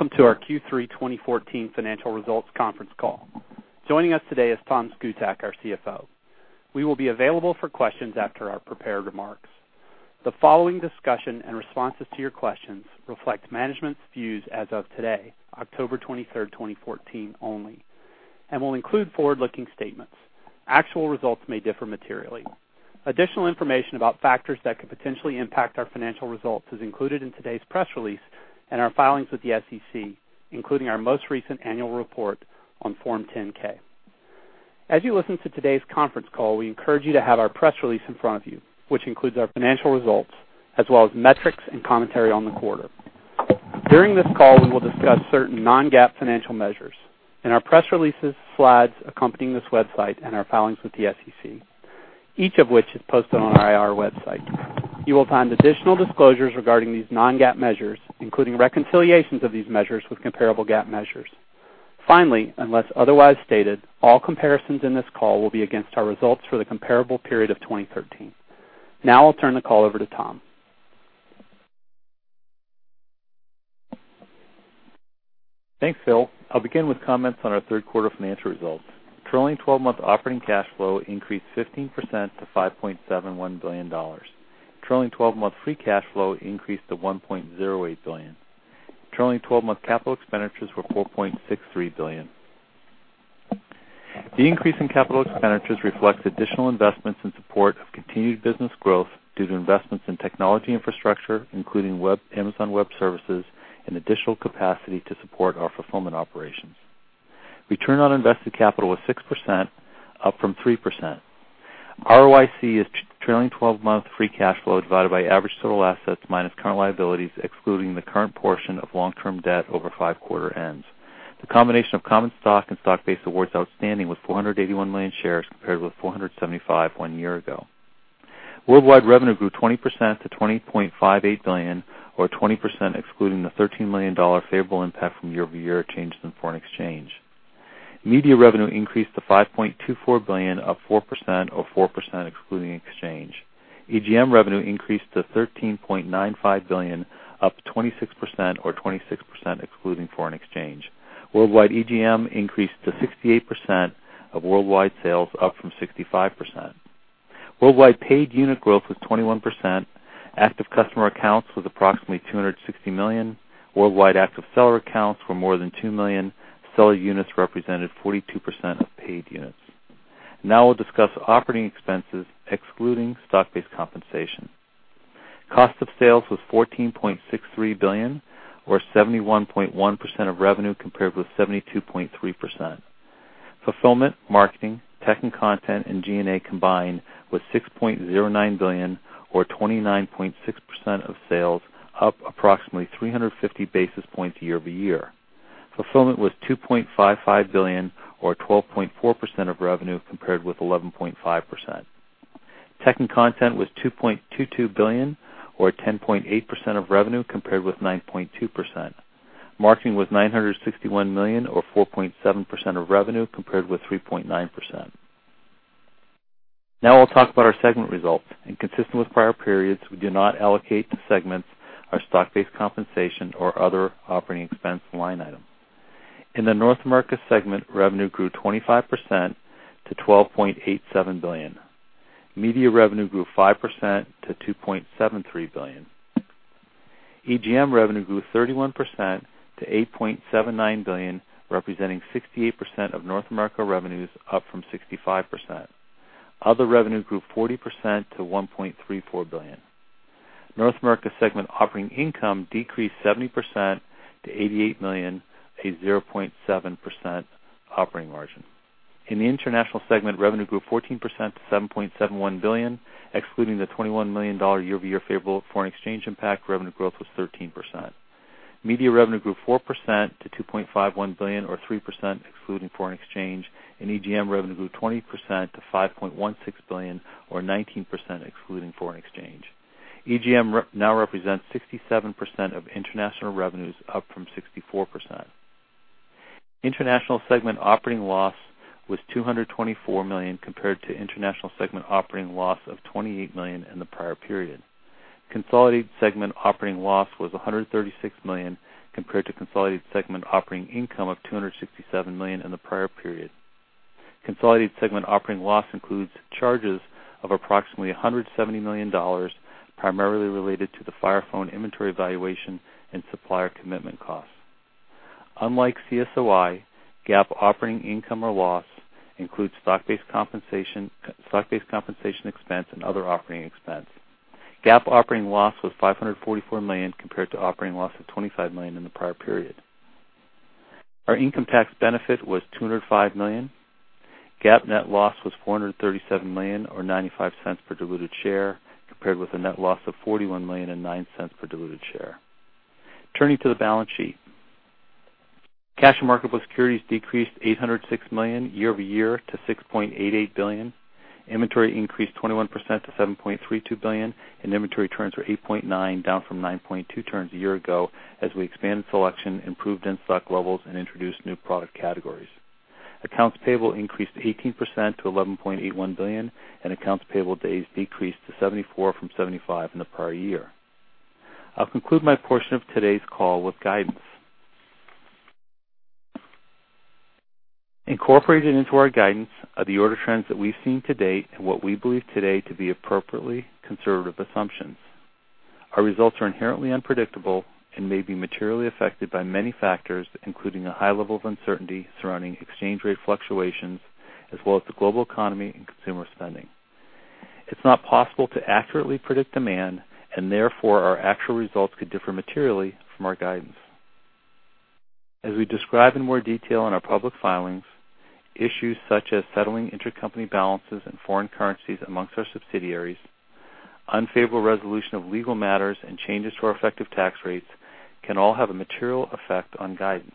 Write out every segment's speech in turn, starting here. Hello, welcome to our Q3 2014 financial results conference call. Joining us today is Tom Szkutak, our CFO. We will be available for questions after our prepared remarks. The following discussion and responses to your questions reflect management's views as of today, October 23rd, 2014 only, and will include forward-looking statements. Actual results may differ materially. Additional information about factors that could potentially impact our financial results is included in today's press release and our filings with the SEC, including our most recent annual report on Form 10-K. As you listen to today's conference call, we encourage you to have our press release in front of you, which includes our financial results as well as metrics and commentary on the quarter. Unless otherwise stated, all comparisons in this call will be against our results for the comparable period of 2013. I'll turn the call over to Tom. Thanks, Phil. I'll begin with comments on our third quarter financial results. Trailing 12-month operating cash flow increased 15% to $5.71 billion. Trailing 12-month free cash flow increased to $1.08 billion. Trailing 12-month capital expenditures were $4.63 billion. The increase in capital expenditures reflects additional investments in support of continued business growth due to investments in technology infrastructure, including Amazon Web Services, and additional capacity to support our fulfillment operations. Return on invested capital was 6%, up from 3%. ROIC is trailing 12 months free cash flow divided by average total assets minus current liabilities, excluding the current portion of long-term debt over five quarter ends. The combination of common stock and stock-based awards outstanding was 481 million shares compared with 475 one year ago. Worldwide revenue grew 20% to $20.58 billion, or 20% excluding the $13 million favorable impact from year-over-year changes in foreign exchange. Media revenue increased to $5.24 billion, up 4% or 4% excluding exchange. EGM revenue increased to $13.95 billion, up 26% or 26% excluding foreign exchange. Worldwide EGM increased to 68% of worldwide sales, up from 65%. Worldwide paid unit growth was 21%. Active customer accounts was approximately 260 million. Worldwide active seller accounts were more than 2 million. Seller units represented 42% of paid units. We'll discuss operating expenses excluding stock-based compensation. Cost of sales was $14.63 billion, or 71.1% of revenue, compared with 72.3%. Fulfillment, marketing, tech and content, and G&A combined was $6.09 billion, or 29.6% of sales, up approximately 350 basis points year-over-year. Fulfillment was $2.55 billion, or 12.4% of revenue, compared with 11.5%. Tech and content was $2.22 billion, or 10.8% of revenue, compared with 9.2%. Marketing was $961 million, or 4.7% of revenue, compared with 3.9%. I'll talk about our segment results. Consistent with prior periods, we do not allocate to segments our stock-based compensation or other operating expense line items. In the North America segment, revenue grew 25% to $12.87 billion. Media revenue grew 5% to $2.73 billion. EGM revenue grew 31% to $8.79 billion, representing 68% of North America revenues, up from 65%. Other revenues grew 40% to $1.34 billion. North America segment operating income decreased 70% to $88 million, a 0.7% operating margin. In the international segment, revenue grew 14% to $7.71 billion. Excluding the $21 million year-over-year favorable foreign exchange impact, revenue growth was 13%. Media revenue grew 4% to $2.51 billion, or 3% excluding foreign exchange. EGM revenue grew 20% to $5.16 billion, or 19% excluding foreign exchange. EGM now represents 67% of international revenues, up from 64%. International segment operating loss was $224 million compared to international segment operating loss of $28 million in the prior period. Consolidated segment operating loss was $136 million compared to consolidated segment operating income of $267 million in the prior period. Consolidated segment operating loss includes charges of approximately $170 million, primarily related to the Fire Phone inventory valuation and supplier commitment costs. Unlike CSOI, GAAP operating income or loss includes stock-based compensation expense and other operating expense. GAAP operating loss was $544 million compared to operating loss of $25 million in the prior period. Our income tax benefit was $205 million. GAAP net loss was $437 million, or $0.95 per diluted share, compared with a net loss of $41 million and $0.09 per diluted share. Turning to the balance sheet, cash and marketable securities decreased $806 million year-over-year to $6.88 billion. Inventory increased 21% to $7.32 billion. Inventory turns were 8.9, down from 9.2 turns a year ago as we expanded selection, improved in-stock levels, and introduced new product categories. Accounts payable increased 18% to $11.81 billion. Accounts payable days decreased to 74 from 75 in the prior year. I'll conclude my portion of today's call with guidance. Incorporated into our guidance are the order trends that we've seen to date and what we believe today to be appropriately conservative assumptions. Our results are inherently unpredictable and may be materially affected by many factors, including a high level of uncertainty surrounding exchange rate fluctuations, as well as the global economy and consumer spending. It's not possible to accurately predict demand. Therefore, our actual results could differ materially from our guidance. As we describe in more detail in our public filings, issues such as settling intercompany balances, foreign currencies amongst our subsidiaries, unfavorable resolution of legal matters, and changes to our effective tax rates can all have a material effect on guidance.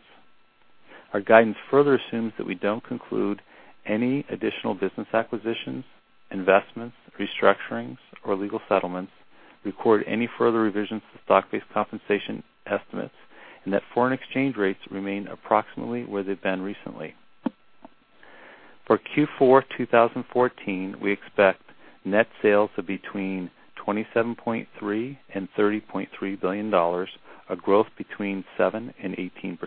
Our guidance further assumes that we don't conclude any additional business acquisitions, investments, restructurings, or legal settlements, record any further revisions to stock-based compensation estimates, and that foreign exchange rates remain approximately where they've been recently. For Q4 2014, we expect net sales of between $27.3 billion and $30.3 billion, a growth between 7% and 18%.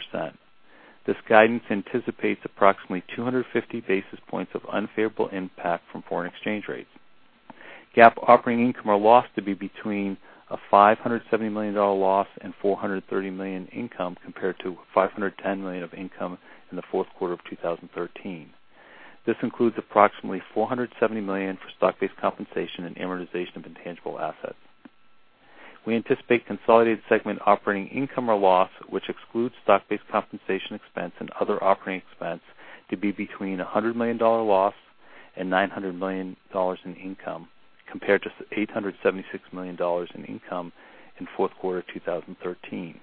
This guidance anticipates approximately 250 basis points of unfavorable impact from foreign exchange rates. GAAP operating income or loss to be between a $570 million loss and $430 million income compared to $510 million of income in the fourth quarter of 2013. This includes approximately $470 million for stock-based compensation and amortization of intangible assets. We anticipate consolidated segment operating income or loss, which excludes stock-based compensation expense and other operating expense, to be between $100 million loss and $900 million in income, compared to $876 million in income in fourth quarter 2013.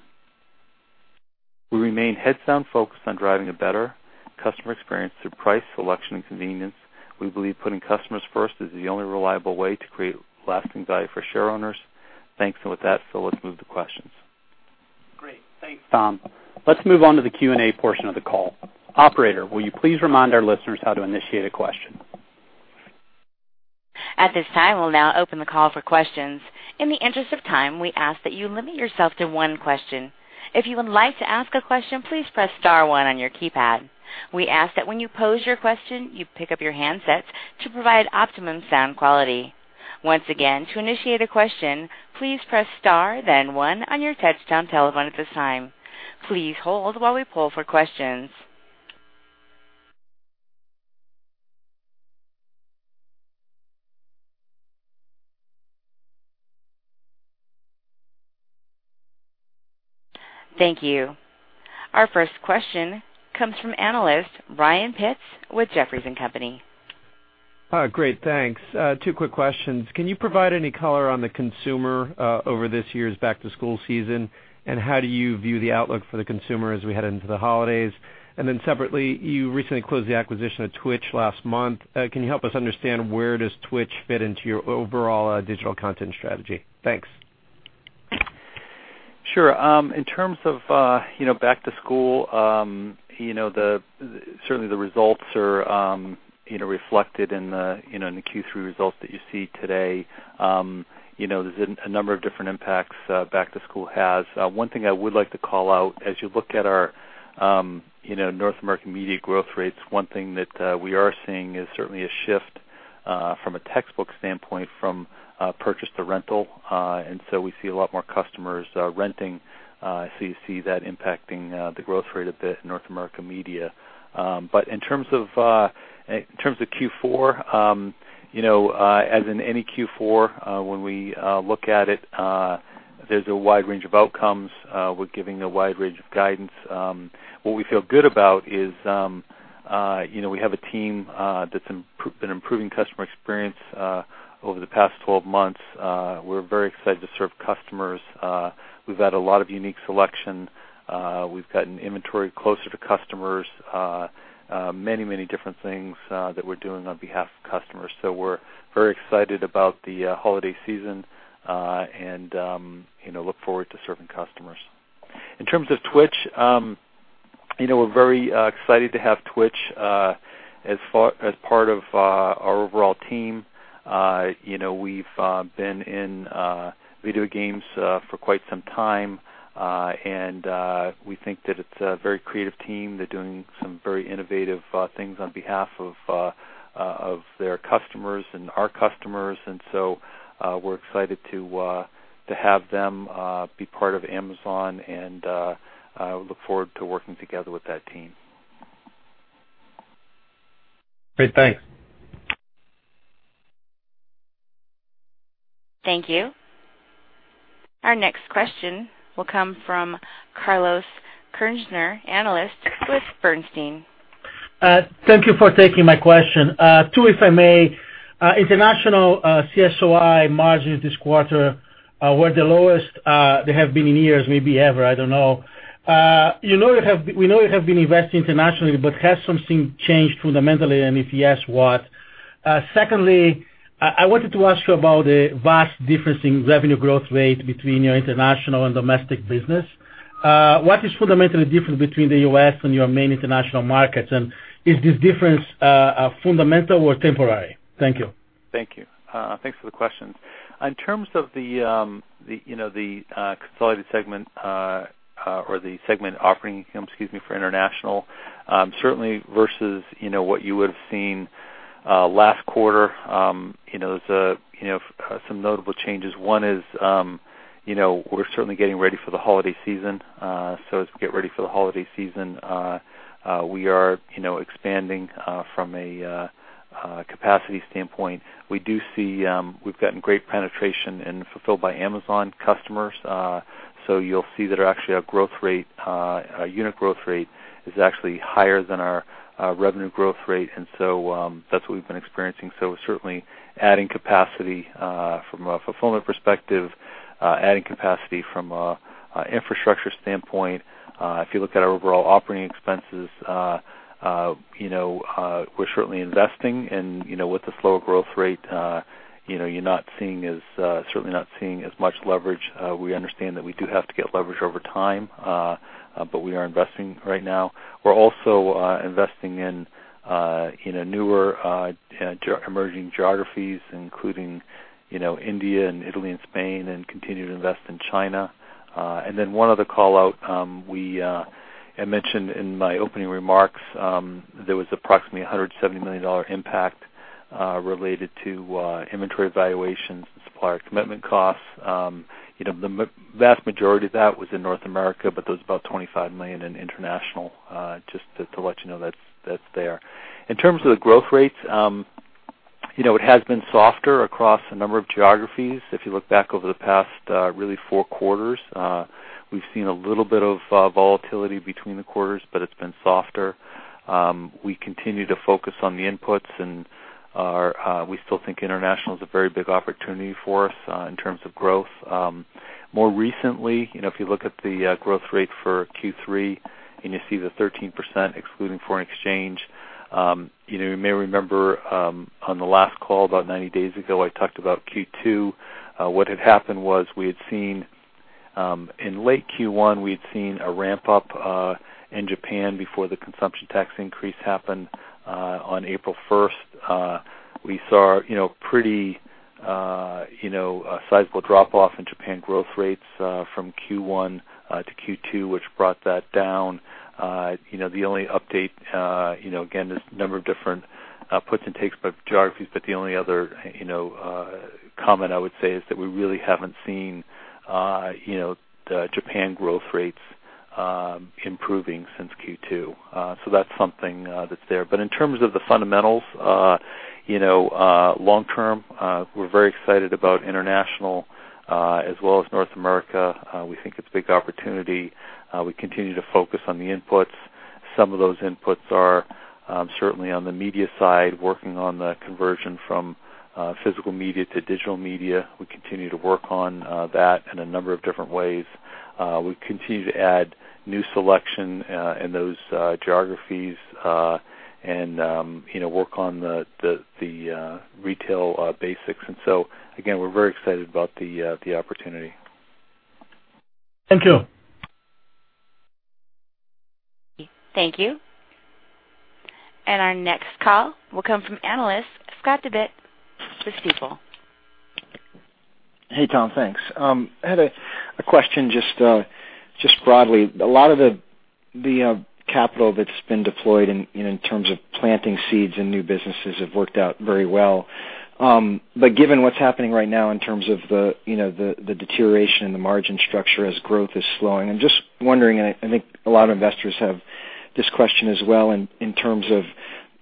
We remain head-down focused on driving a better customer experience through price, selection, and convenience. We believe putting customers first is the only reliable way to create lasting value for share owners. Thanks. With that, Phil, let's move to questions. Great. Thanks, Tom. Let's move on to the Q&A portion of the call. Operator, will you please remind our listeners how to initiate a question? At this time, we'll now open the call for questions. In the interest of time, we ask that you limit yourself to one question. If you would like to ask a question, please press star one on your keypad. We ask that when you pose your question, you pick up your handsets to provide optimum sound quality. Once again, to initiate a question, please press star then one on your touch-tone telephone at this time. Please hold while we poll for questions. Thank you. Our first question comes from analyst Brian Pitz with Jefferies & Company. Great, thanks. Two quick questions. Can you provide any color on the consumer over this year's back-to-school season? How do you view the outlook for the consumer as we head into the holidays? Separately, you recently closed the acquisition of Twitch last month. Can you help us understand where does Twitch fit into your overall digital content strategy? Thanks. Sure. In terms of back to school, certainly the results are reflected in the Q3 results that you see today. There is a number of different impacts back to school has. One thing I would like to call out, as you look at our North American Media growth rates, one thing that we are seeing is certainly a shift from a textbook standpoint from purchase to rental. We see a lot more customers renting, so you see that impacting the growth rate a bit in North American Media. In terms of Q4, as in any Q4, when we look at it, there is a wide range of outcomes. We are giving a wide range of guidance. What we feel good about is we have a team that has been improving customer experience over the past 12 months. We are very excited to serve customers. We have had a lot of unique selection. We have gotten inventory closer to customers. Many different things that we are doing on behalf of customers. We are very excited about the holiday season and look forward to serving customers. In terms of Twitch, we are very excited to have Twitch as part of our overall team. We have been in video games for quite some time, and we think that it is a very creative team. They are doing some very innovative things on behalf of their customers and our customers. We are excited to have them be part of Amazon, and look forward to working together with that team. Great. Thanks. Thank you. Our next question will come from Carlos Kirjner, analyst with Bernstein. Thank you for taking my question. Two, if I may. International CSOI margins this quarter were the lowest they have been in years, maybe ever, I don't know. We know you have been investing internationally, but has something changed fundamentally? If yes, what? Secondly, I wanted to ask you about the vast difference in revenue growth rate between your international and domestic business. What is fundamentally different between the U.S. and your main international markets, is this difference fundamental or temporary? Thank you. Thank you. Thanks for the questions. In terms of the consolidated segment or the segment operating income, excuse me, for international, certainly versus what you would have seen last quarter, there's some notable changes. One is we're certainly getting ready for the holiday season. As we get ready for the holiday season, we are expanding from a capacity standpoint. We've gotten great penetration in Fulfilled by Amazon customers. You'll see that our unit growth rate is actually higher than our revenue growth rate. That's what we've been experiencing. Certainly adding capacity from a fulfillment perspective, adding capacity from an infrastructure standpoint. If you look at our overall operating expenses, we're certainly investing. With the slower growth rate, you're certainly not seeing as much leverage. We understand that we do have to get leverage over time. We are investing right now. We're also investing in newer emerging geographies, including India and Italy and Spain, continue to invest in China. One other call-out I mentioned in my opening remarks, there was approximately $170 million impact related to inventory valuations and supplier commitment costs. The vast majority of that was in North America, there was about $25 million in international, just to let you know that's there. In terms of the growth rates, it has been softer across a number of geographies. If you look back over the past, really four quarters, we've seen a little bit of volatility between the quarters, it's been softer. We continue to focus on the inputs, we still think international is a very big opportunity for us in terms of growth. More recently, if you look at the growth rate for Q3 and you see the 13% excluding foreign exchange, you may remember on the last call about 90 days ago, I talked about Q2. What had happened was in late Q1, we had seen a ramp-up in Japan before the consumption tax increase happened on April 1st. We saw a pretty sizable drop-off in Japan growth rates from Q1-Q2, which brought that down. The only update, again, there's a number of different puts and takes by geographies, the only other comment I would say is that we really haven't seen the Japan growth rates improving since Q2. That's something that's there. In terms of the fundamentals, long-term, we're very excited about international as well as North America. We think it's a big opportunity. We continue to focus on the inputs. Some of those inputs are certainly on the media side, working on the conversion from physical media to digital media. We continue to work on that in a number of different ways. We continue to add new selection in those geographies and work on the retail basics. Again, we're very excited about the opportunity. Thank you. Thank you. Our next call will come from analyst, Scott Devitt with Stifel. Hey, Tom. Thanks. I had a question, just broadly. A lot of the capital that's been deployed in terms of planting seeds in new businesses have worked out very well. Given what's happening right now in terms of the deterioration in the margin structure as growth is slowing, I'm just wondering, and I think a lot of investors have this question as well, in terms of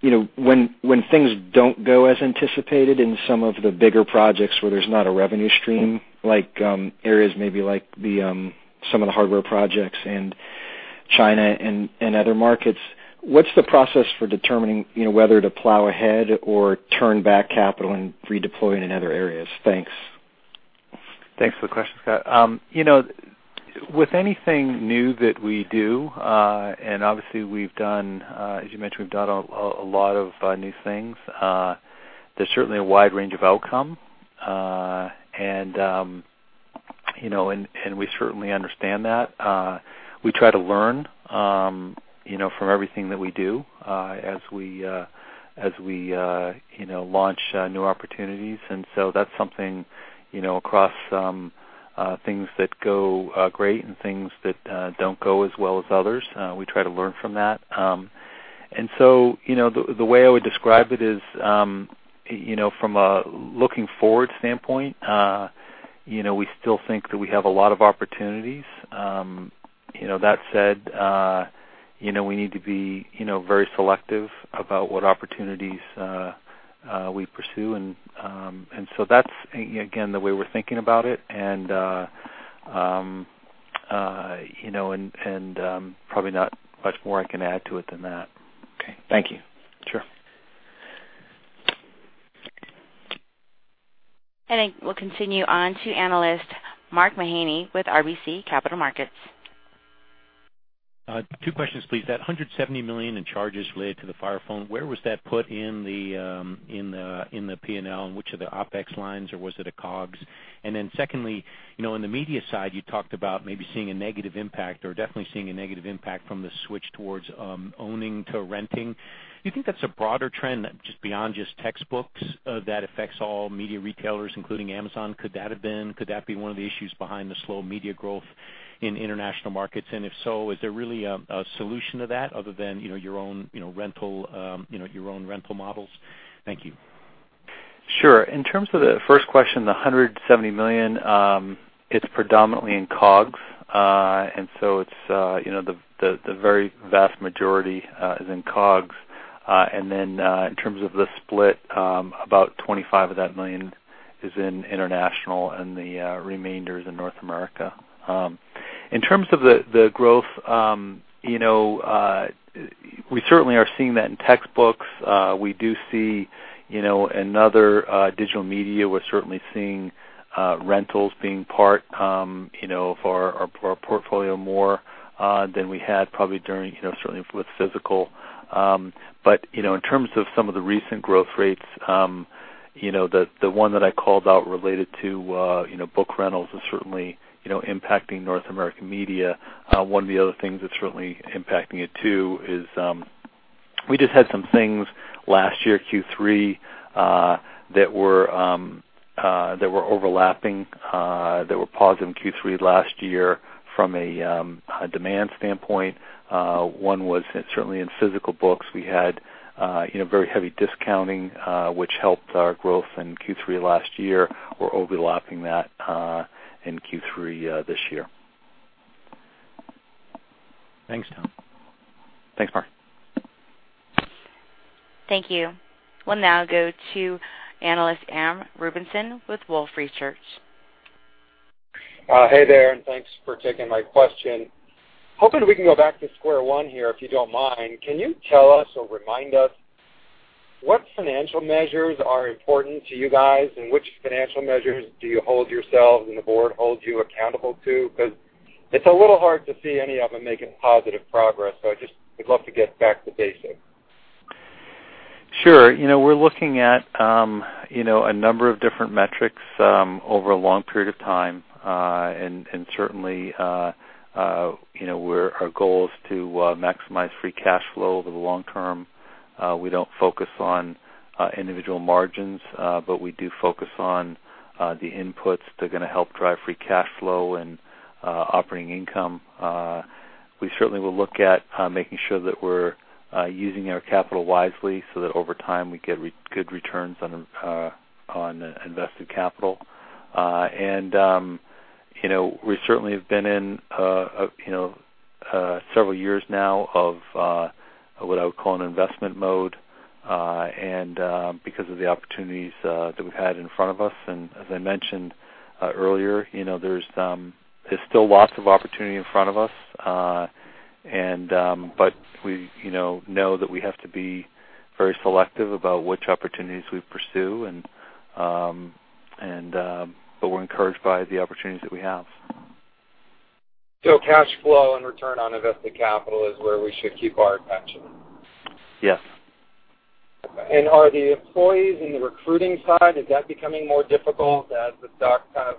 when things don't go as anticipated in some of the bigger projects where there's not a revenue stream, like areas maybe some of the hardware projects in China and other markets, what's the process for determining whether to plow ahead or turn back capital and redeploy it in other areas? Thanks. Thanks for the question, Scott. With anything new that we do, obviously, as you mentioned, we've done a lot of new things, there's certainly a wide range of outcome. We certainly understand that. We try to learn from everything that we do as we launch new opportunities. That's something across things that go great and things that don't go as well as others. We try to learn from that. The way I would describe it is, from a looking forward standpoint, we still think that we have a lot of opportunities. That said, we need to be very selective about what opportunities we pursue. That's, again, the way we're thinking about it and probably not much more I can add to it than that. Okay. Thank you. Sure. I think we'll continue on to analyst Mark Mahaney with RBC Capital Markets. Two questions, please. That $170 million in charges related to the Fire Phone, where was that put in the P&L? In which of the OpEx lines, or was it a COGS? Secondly, on the media side, you talked about maybe seeing a negative impact or definitely seeing a negative impact from the switch towards owning to renting. Do you think that's a broader trend that just beyond just textbooks that affects all media retailers, including Amazon? Could that be one of the issues behind the slow media growth in international markets? If so, is there really a solution to that other than your own rental models? Thank you. Sure. In terms of the first question, the $170 million, it's predominantly in COGS. The very vast majority is in COGS. In terms of the split, about $25 million of that is in international, and the remainder is in North America. In terms of the growth, we certainly are seeing that in textbooks. We do see another digital media. We're certainly seeing rentals being part of our portfolio more than we had probably during, certainly with physical. In terms of some of the recent growth rates, the one that I called out related to book rentals is certainly impacting North American media. One of the other things that's really impacting it too is we just had some things last year, Q3, that were overlapping, that were paused in Q3 last year from a demand standpoint. One was certainly in physical books. We had very heavy discounting, which helped our growth in Q3 last year. We're overlapping that in Q3 this year. Thanks, Tom. Thanks, Mark. Thank you. We'll now go to analyst Aram Rubinson with Wolfe Research. Hey there, and thanks for taking my question. Hoping we can go back to square one here, if you don't mind. Can you tell us or remind us what financial measures are important to you guys, and which financial measures do you hold yourselves and the board holds you accountable to? It's a little hard to see any of them making positive progress. I just would love to get back to basics. Sure. We're looking at a number of different metrics over a long period of time. Certainly our goal is to maximize free cash flow over the long term. We don't focus on individual margins, but we do focus on the inputs that are going to help drive free cash flow and operating income. We certainly will look at making sure that we're using our capital wisely so that over time, we get good returns on invested capital. We certainly have been in several years now of what I would call an investment mode, and because of the opportunities that we've had in front of us. As I mentioned earlier, there's still lots of opportunity in front of us. We know that we have to be very selective about which opportunities we pursue, but we're encouraged by the opportunities that we have. Cash flow and return on invested capital is where we should keep our attention? Yes. Are the employees in the recruiting side, is that becoming more difficult as the stock kind of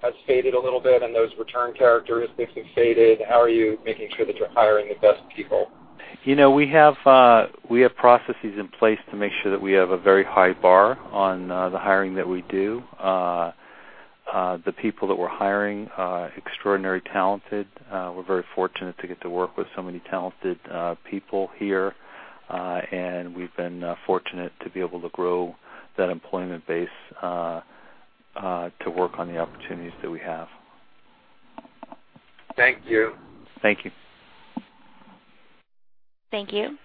has faded a little bit and those return characteristics have faded? How are you making sure that you're hiring the best people? We have processes in place to make sure that we have a very high bar on the hiring that we do. The people that we're hiring are extraordinary talented. We're very fortunate to get to work with so many talented people here, and we've been fortunate to be able to grow that employment base to work on the opportunities that we have. Thank you. Thank you. Thank you.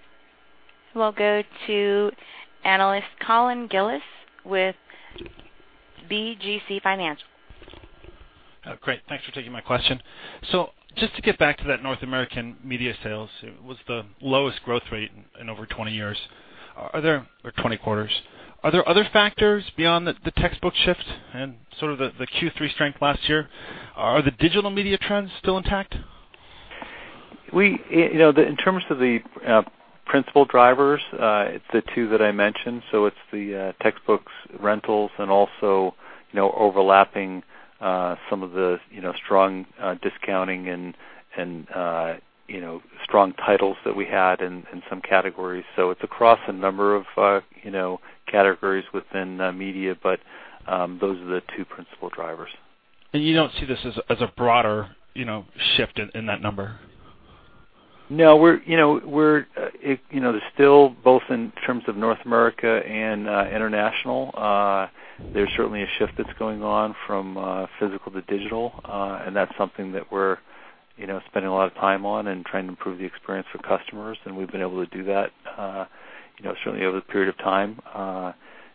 We'll go to analyst Colin Gillis with BGC Financial. Great. Thanks for taking my question. Just to get back to that North American media sales, it was the lowest growth rate in over 20 years. Or 20 quarters. Are there other factors beyond the textbook shift and sort of the Q3 strength last year? Are the digital media trends still intact? In terms of the principal drivers, it's the two that I mentioned. It's the textbooks rentals and also overlapping some of the strong discounting and strong titles that we had in some categories. It's across a number of categories within media, but those are the two principal drivers. You don't see this as a broader shift in that number? No. There's still, both in terms of North America and international, there's certainly a shift that's going on from physical to digital. That's something that we're spending a lot of time on and trying to improve the experience for customers. We've been able to do that certainly over the period of time.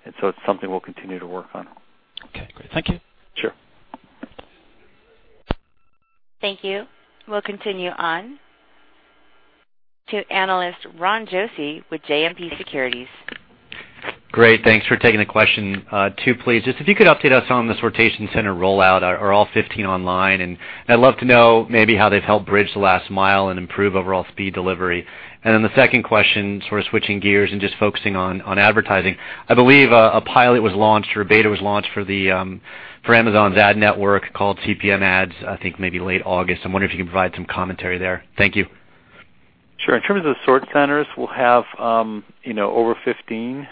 It's something we'll continue to work on. Okay, great. Thank you. Thank you. We'll continue on to analyst Ron Josey with JMP Securities. Great. Thanks for taking the question. Two, please. Just if you could update us on the sortation center rollout. Are all 15 online? I'd love to know maybe how they've helped bridge the last mile and improve overall speed delivery. The second question, sort of switching gears and just focusing on advertising. I believe a pilot was launched, or a beta was launched for Amazon's ad network called Amazon Ads, I think maybe late August. I wonder if you can provide some commentary there. Thank you. Sure. In terms of the sort centers, we'll have over 15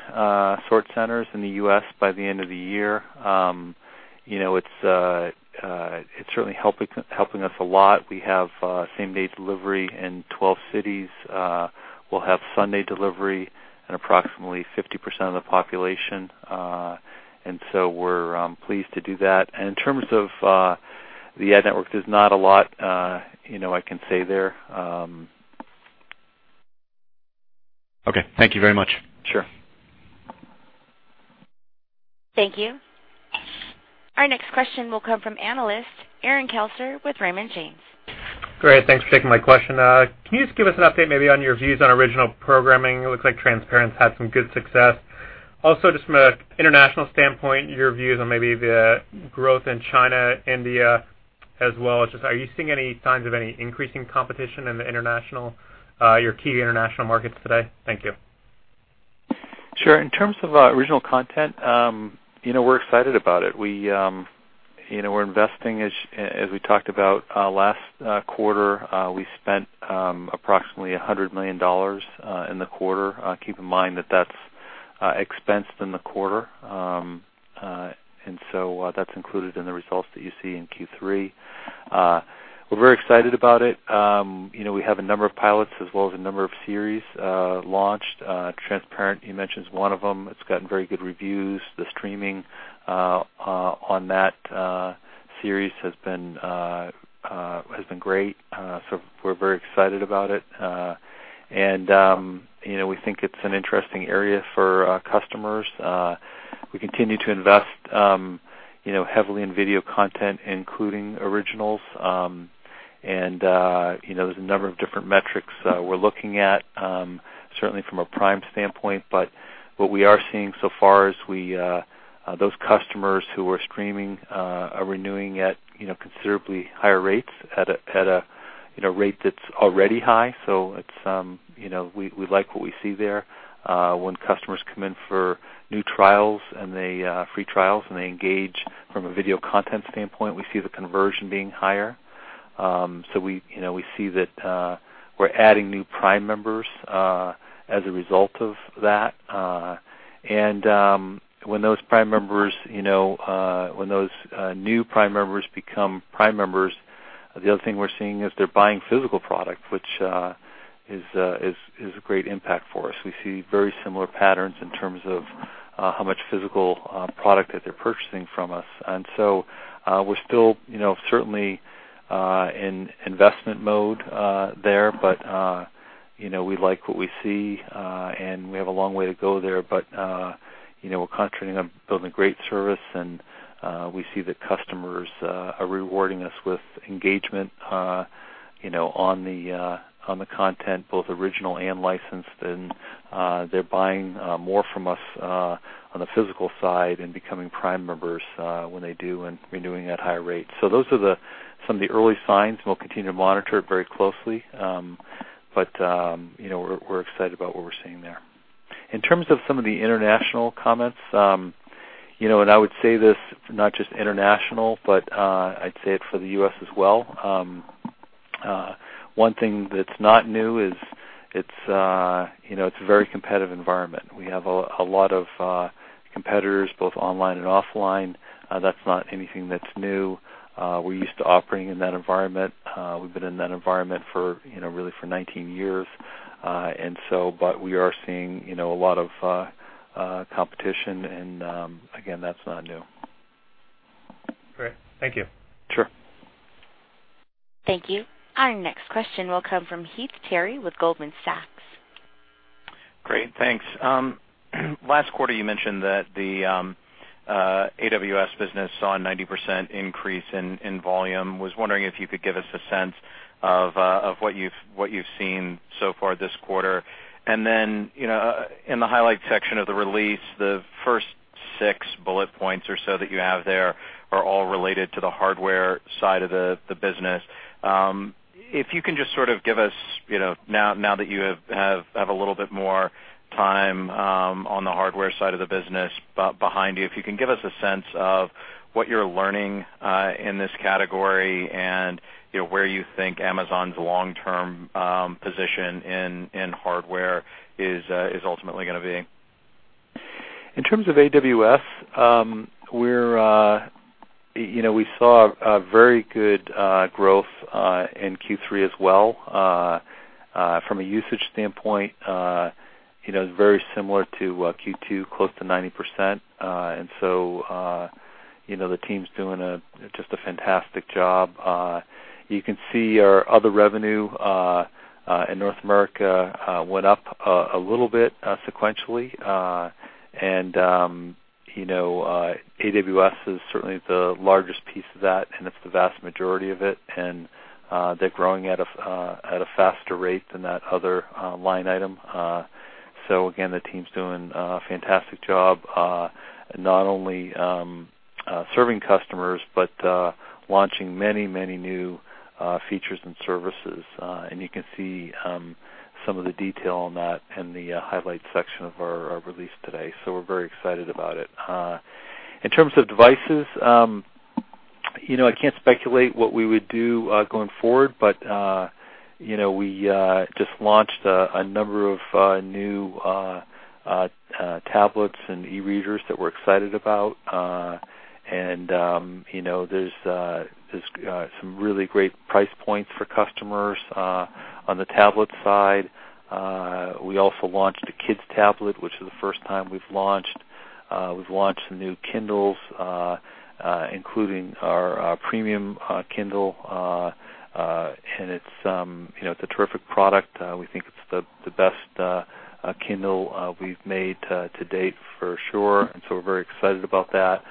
sort centers in the U.S. by the end of the year. It's certainly helping us a lot. We have same-day delivery in 12 cities. We'll have Sunday delivery in approximately 50% of the population. We're pleased to do that. In terms of the ad network, there's not a lot I can say there. Okay. Thank you very much. Sure. Thank you. Our next question will come from analyst, Aaron Kessler with Raymond James. Great. Thanks for taking my question. Can you just give us an update maybe on your views on original programming? It looks like Transparent's had some good success. Just from an international standpoint, your views on maybe the growth in China, India as well as just are you seeing any signs of any increasing competition in your key international markets today? Thank you. Sure. In terms of original content, we're excited about it. We're investing, as we talked about last quarter. We spent approximately $100 million in the quarter. Keep in mind that that's expensed in the quarter. That's included in the results that you see in Q3. We're very excited about it. We have a number of pilots as well as a number of series launched. Transparent, he mentions one of them. It's gotten very good reviews. The streaming on that series has been great. We're very excited about it. We think it's an interesting area for our customers. We continue to invest heavily in video content, including originals. There's a number of different metrics we're looking at, certainly from a Prime standpoint, but what we are seeing so far is those customers who are streaming are renewing at considerably higher rates at a rate that's already high. We like what we see there. When customers come in for new free trials, and they engage from a video content standpoint, we see the conversion being higher. We see that we're adding new Prime members as a result of that. When those new Prime members become Prime members, the other thing we're seeing is they're buying physical product, which is a great impact for us. We see very similar patterns in terms of how much physical product that they're purchasing from us. We're still certainly in investment mode there. We like what we see, and we have a long way to go there. We're continuing on building a great service, and we see that customers are rewarding us with engagement on the content, both original and licensed, and they're buying more from us on the physical side and becoming Prime members when they do and renewing at higher rates. Those are some of the early signs, and we'll continue to monitor it very closely. We're excited about what we're seeing there. In terms of some of the international comments, I would say this not just international, but I'd say it for the U.S. as well. One thing that's not new is it's a very competitive environment. We have a lot of competitors, both online and offline. That's not anything that's new. We're used to operating in that environment. We've been in that environment really for 19 years. We are seeing a lot of competition, and again, that's not new. Great. Thank you. Sure. Thank you. Our next question will come from Heath Terry with Goldman Sachs. Great, thanks. Last quarter, you mentioned that the AWS business saw a 90% increase in volume. Was wondering if you could give us a sense of what you've seen so far this quarter. Then, in the highlights section of the release, the first six bullet points or so that you have there are all related to the hardware side of the business. Now that you have a little bit more time on the hardware side of the business behind you, if you can give us a sense of what you're learning in this category and where you think Amazon's long-term position in hardware is ultimately going to be. In terms of AWS, we saw very good growth in Q3 as well. From a usage standpoint, it's very similar to Q2, close to 90%. So the team's doing just a fantastic job. You can see our other revenue in North America went up a little bit sequentially. AWS is certainly the largest piece of that, and it's the vast majority of it, and they're growing at a faster rate than that other line item. Again, the team's doing a fantastic job, not only serving customers, but launching many new features and services. You can see some of the detail on that in the highlights section of our release today. We're very excited about it. In terms of devices, I can't speculate what we would do going forward, but we just launched a number of new tablets and e-readers that we're excited about. There's some really great price points for customers on the tablet side. We also launched a kids tablet, which is the first time we've launched. We've launched some new Kindles, including our premium Kindle. It's a terrific product. We think it's the best Kindle we've made to date for sure. We're very excited about that.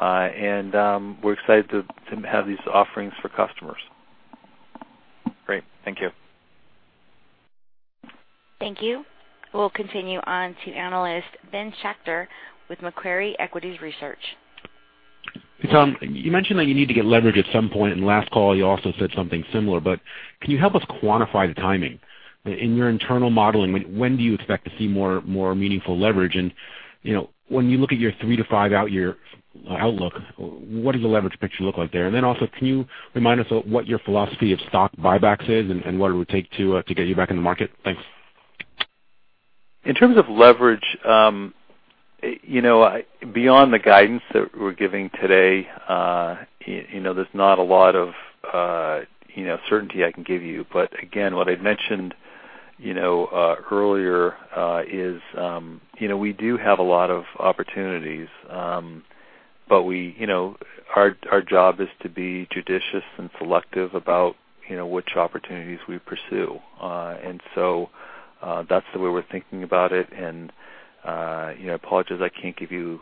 We're excited to have these offerings for customers. Great. Thank you. Thank you. We'll continue on to analyst Ben Schachter with Macquarie Equities Research. Tom, you mentioned that you need to get leverage at some point, last call, you also said something similar, can you help us quantify the timing? In your internal modeling, when do you expect to see more meaningful leverage? When you look at your three to five-year outlook, what does the leverage picture look like there? Also, can you remind us what your philosophy of stock buybacks is and what it would take to get you back in the market? Thanks. In terms of leverage, beyond the guidance that we're giving today, there's not a lot of certainty I can give you. Again, what I'd mentioned earlier is we do have a lot of opportunities. Our job is to be judicious and selective about which opportunities we pursue. That's the way we're thinking about it. Apologies, I can't give you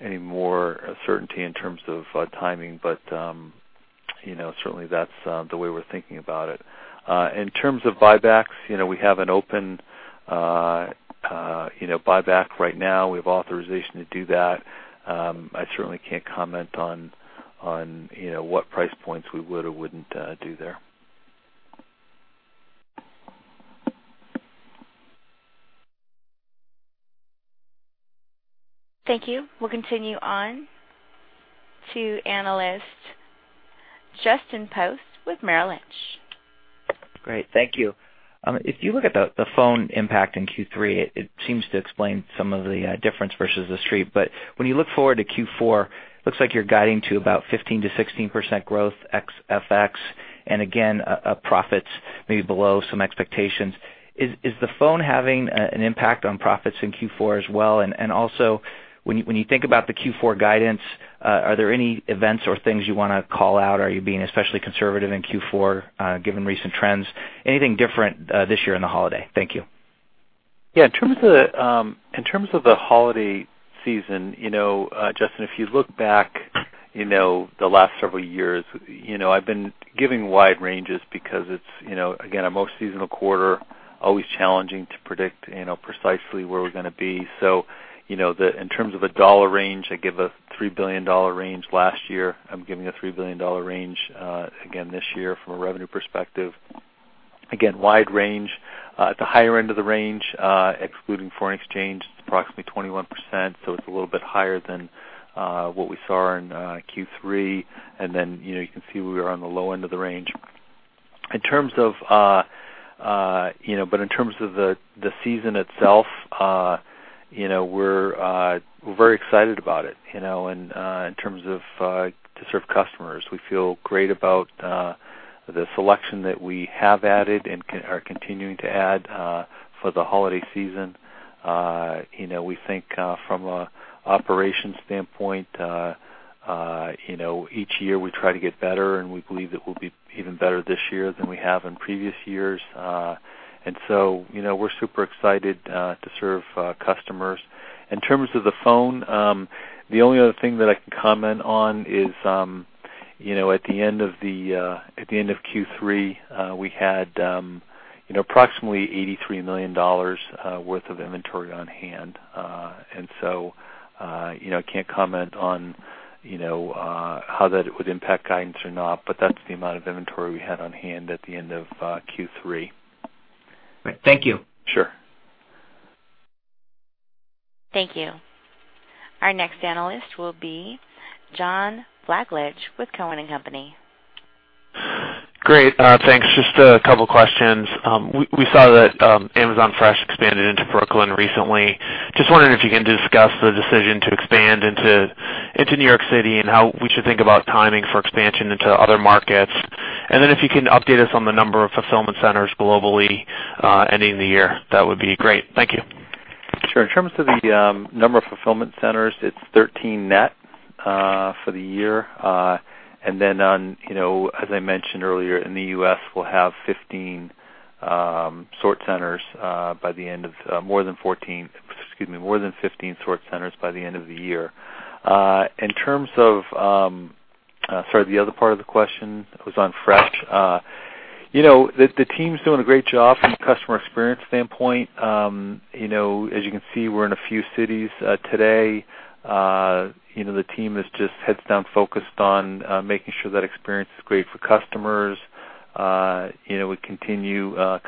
any more certainty in terms of timing, but certainly, that's the way we're thinking about it. In terms of buybacks, we have an open buyback right now. We have authorization to do that. I certainly can't comment on what price points we would or wouldn't do there. Thank you. We'll continue on to analyst Justin Post with Merrill Lynch. Great. Thank you. If you look at the phone impact in Q3, it seems to explain some of the difference versus the Street. When you look forward to Q4, looks like you're guiding to about 15%-16% growth ex FX. Again, profits may be below some expectations. Is the phone having an impact on profits in Q4 as well? Also, when you think about the Q4 guidance, are there any events or things you want to call out? Are you being especially conservative in Q4 given recent trends? Anything different this year in the holiday? Thank you. Yeah. In terms of the holiday season, Justin, if you look back the last several years, I've been giving wide ranges because it's, again, a most seasonal quarter, always challenging to predict precisely where we're going to be. In terms of a dollar range, I gave a $3 billion range last year. I'm giving a $3 billion range again this year from a revenue perspective. Again, wide range. At the higher end of the range, excluding foreign exchange, it's approximately 21%, so it's a little bit higher than what we saw in Q3. Then you can see we were on the low end of the range. In terms of the season itself, we're very excited about it in terms of to serve customers. We feel great about the selection that we have added and are continuing to add for the holiday season. We think from an operations standpoint, each year we try to get better, we believe that we'll be even better this year than we have in previous years. We're super excited to serve customers. In terms of the phone, the only other thing that I can comment on is at the end of Q3, we had approximately $83 million worth of inventory on-hand. I can't comment on how that would impact guidance or not, but that's the amount of inventory we had on-hand at the end of Q3. Great. Thank you. Sure. Thank you. Our next analyst will be John Blackledge with Cowen and Company. Great. Thanks. Just a couple of questions. We saw that Amazon Fresh expanded into Brooklyn recently. Just wondering if you can discuss the decision to expand into New York City and how we should think about timing for expansion into other markets. If you can update us on the number of fulfillment centers globally ending the year, that would be great. Thank you. Sure. In terms of the number of fulfillment centers, it's 13 net for the year. As I mentioned earlier, in the U.S., we'll have more than 15 sort centers by the end of the year. In terms of, sorry, the other part of the question was on Fresh. The team's doing a great job from a customer experience standpoint. As you can see, we're in a few cities today. The team is just heads down focused on making sure that experience is great for customers.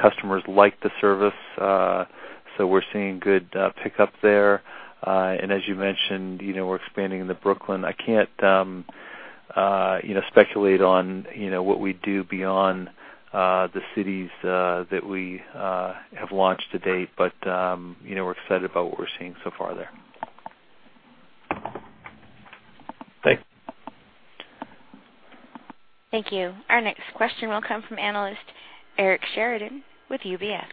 Customers like the service, so we're seeing good pickup there. As you mentioned, we're expanding into Brooklyn. I can't speculate on what we do beyond the cities that we have launched to date, but we're excited about what we're seeing so far there. Thanks. Thank you. Our next question will come from analyst Eric Sheridan with UBS.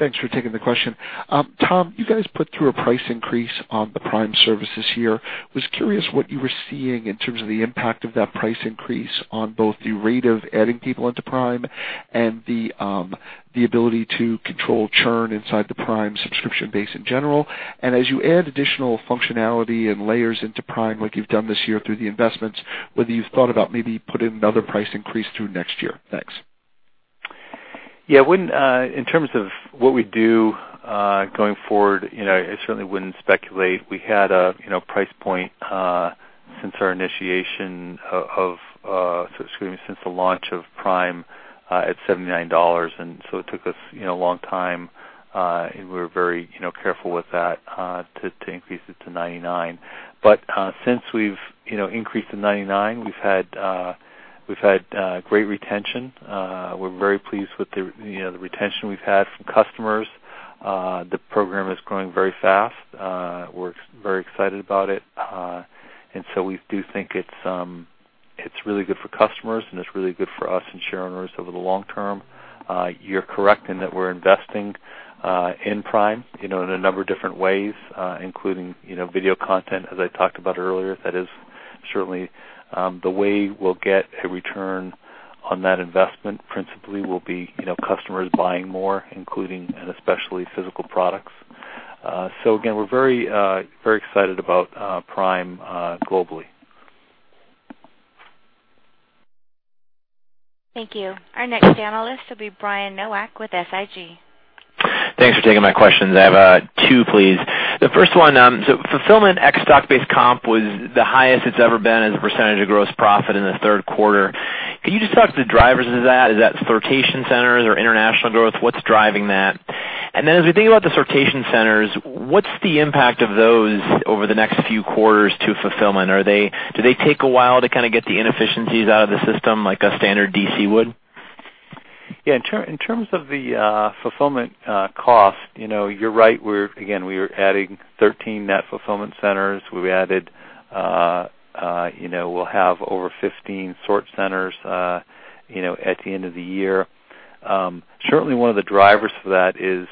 Thanks for taking the question. Tom, you guys put through a price increase on the Prime service this year. Was curious what you were seeing in terms of the impact of that price increase on both the rate of adding people into Prime and the ability to control churn inside the Prime subscription base in general. As you add additional functionality and layers into Prime like you've done this year through the investments, whether you've thought about maybe put in another price increase through next year. Thanks. Yeah. In terms of what we do, going forward, I certainly wouldn't speculate. We had a price point since the launch of Prime at $79, so it took us a long time, and we're very careful with that, to increase it to $99. Since we've increased to $99, we've had great retention. We're very pleased with the retention we've had from customers. The program is growing very fast. We're very excited about it. We do think it's really good for customers, and it's really good for us and shareholders over the long term. You're correct in that we're investing in Prime in a number of different ways, including video content, as I talked about earlier. That is certainly the way we'll get a return on that investment. Principally will be customers buying more, including, and especially physical products. Again, we're very excited about Prime globally. Thank you. Our next analyst will be Brian Nowak with SIG. Thanks for taking my questions. I have two, please. The first one, fulfillment ex stock-based comp was the highest it's ever been as a percentage of gross profit in the third quarter. Can you just talk to the drivers of that? Is that sortation centers or international growth? What's driving that? As we think about the sortation centers, what's the impact of those over the next few quarters to fulfillment? Do they take a while to kind of get the inefficiencies out of the system like a standard DC would? Yeah. In terms of the fulfillment cost, you're right. Again, we are adding 13 net fulfillment centers. We'll have over 15 sort centers at the end of the year. Certainly one of the drivers for that is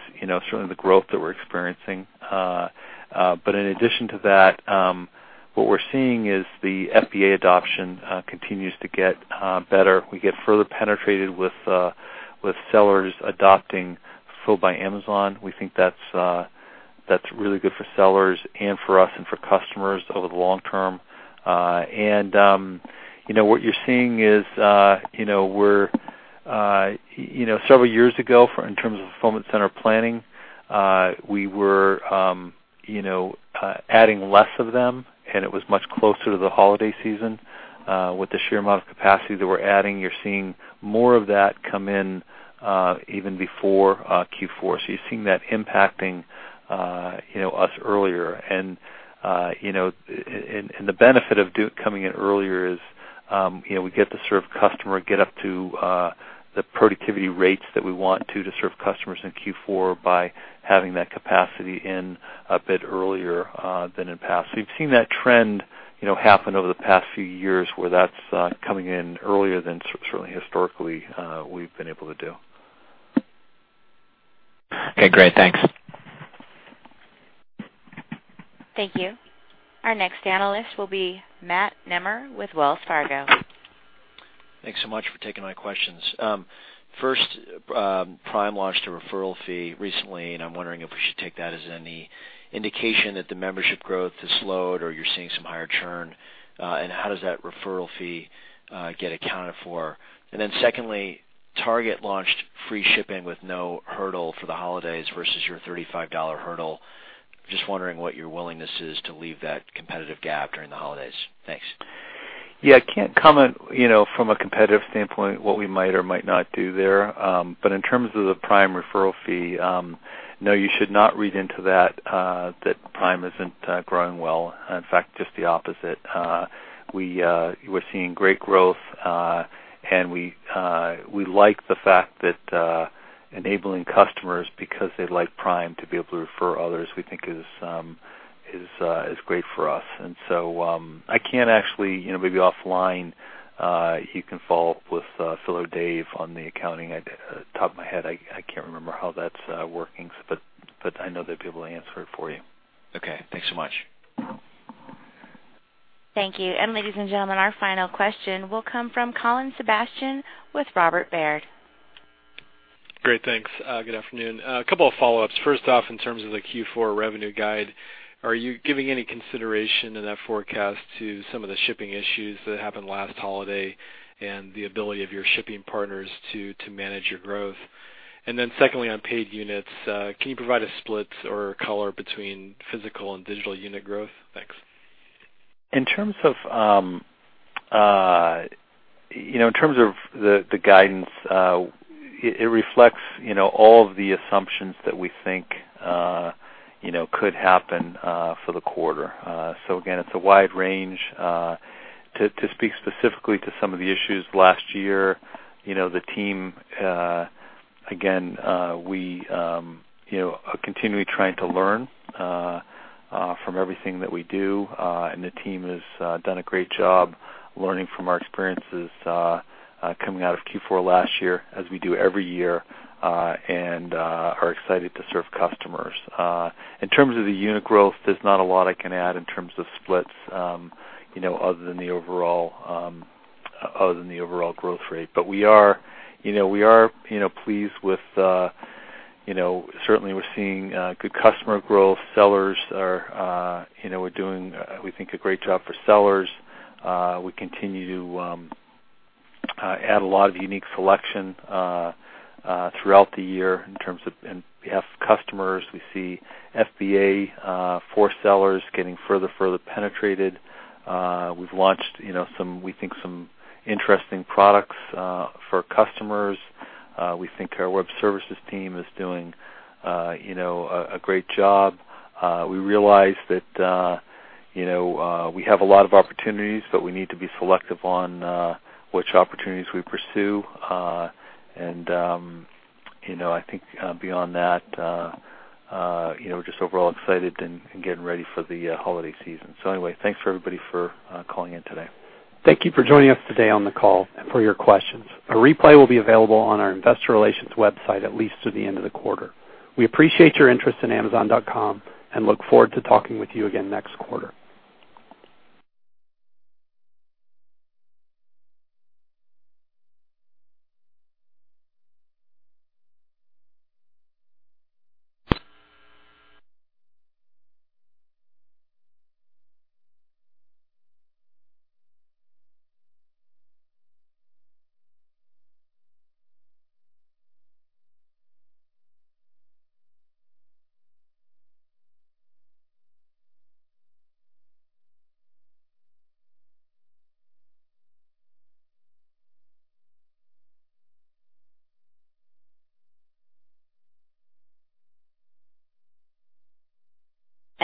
certainly the growth that we're experiencing. In addition to that, what we're seeing is the FBA adoption continues to get better. We get further penetrated with sellers adopting Fulfilled by Amazon. We think that's really good for sellers and for us and for customers over the long term. What you're seeing is, several years ago, in terms of fulfillment center planning, we were adding less of them, and it was much closer to the holiday season. With the sheer amount of capacity that we're adding, you're seeing more of that come in even before Q4. You're seeing that impacting us earlier. The benefit of coming in earlier is, we get to serve customer, get up to the productivity rates that we want to serve customers in Q4 by having that capacity in a bit earlier than in the past. We've seen that trend happen over the past few years where that's coming in earlier than certainly historically we've been able to do. Okay, great. Thanks. Thank you. Our next analyst will be Matt Nemer with Wells Fargo. Thanks so much for taking my questions. First, Prime launched a referral fee recently, I'm wondering if we should take that as any indication that the membership growth has slowed or you're seeing some higher churn. How does that referral fee get accounted for? Secondly, Target launched free shipping with no hurdle for the holidays versus your $35 hurdle. Just wondering what your willingness is to leave that competitive gap during the holidays. Thanks. Yeah, I can't comment from a competitive standpoint what we might or might not do there. In terms of the Prime referral fee, no, you should not read into that Prime isn't growing well. In fact, just the opposite. We're seeing great growth, we like the fact that enabling customers because they like Prime to be able to refer others, we think is great for us. I can't actually, maybe offline, you can follow up with Phil or Dave on the accounting. Off the top of my head, I can't remember how that's working, but I know they'll be able to answer it for you. Okay, thanks so much. Thank you. Ladies and gentlemen, our final question will come from Colin Sebastian with Robert Baird. Great, thanks. Good afternoon. A couple of follow-ups. First off, in terms of the Q4 revenue guide, are you giving any consideration in that forecast to some of the shipping issues that happened last holiday and the ability of your shipping partners to manage your growth? Secondly, on paid units, can you provide a split or color between physical and digital unit growth? Thanks. In terms of the guidance, it reflects all of the assumptions that we think could happen for the quarter. Again, it's a wide range. To speak specifically to some of the issues last year, the team, again, we are continually trying to learn from everything that we do, and the team has done a great job learning from our experiences coming out of Q4 last year, as we do every year, and are excited to serve customers. In terms of the unit growth, there's not a lot I can add in terms of splits other than the overall growth rate. We are pleased with, certainly we're seeing good customer growth. We're doing, we think, a great job for sellers. We continue to add a lot of unique selection throughout the year in terms of, and we have customers. We see FBA for sellers getting further penetrated. We've launched some, we think, some interesting products for customers. We think our Web Services team is doing a great job. We realize that we have a lot of opportunities, but we need to be selective on which opportunities we pursue. I think beyond that, we're just overall excited and getting ready for the holiday season. Anyway, thanks, everybody, for calling in today. Thank you for joining us today on the call and for your questions. A replay will be available on our investor relations website at least through the end of the quarter. We appreciate your interest in Amazon.com and look forward to talking with you again next quarter.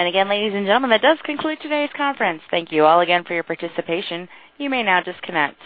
Again, ladies and gentlemen, that does conclude today's conference. Thank you all again for your participation. You may now disconnect.